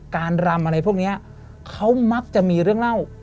รำอะไรพวกนี้เขามักจะมีเรื่องเล่า